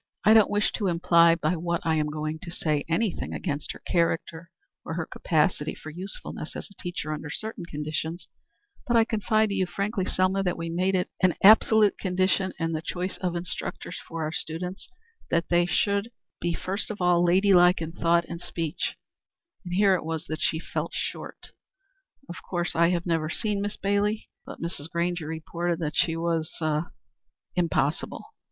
I don't wish to imply by what I am going to say anything against her character, or her capacity for usefulness as a teacher under certain conditions, but I confide to you frankly, Selma, that we make it an absolute condition in the choice of instructors for our students that they should be first of all lady like in thought and speech, and here it was that she fell short. Of course I have never seen Miss Bailey, but Mrs. Grainger reported that she was er impossible."